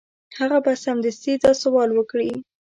هغه به سمدستي دا سوال وکړي.